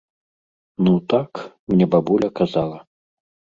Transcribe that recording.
Ну так, мне бабуля казала.